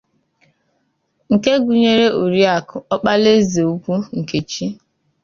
nke gụnyere Oriakụ Okpalaezeukwu Nkechi